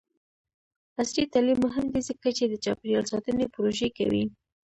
عصري تعلیم مهم دی ځکه چې د چاپیریال ساتنې پروژې کوي.